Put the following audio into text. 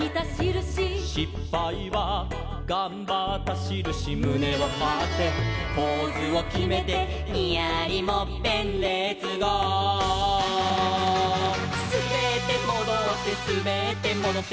「しっぱいはがんばったしるし」「むねをはってポーズをきめて」「ニヤリもっぺんレッツゴー！」「すべってもどってすべってもどって」